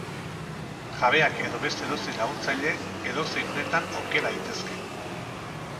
Jabeak edo beste edozein laguntzaile, edozein unetan aukera daitezke.